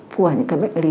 của những cái bệnh lý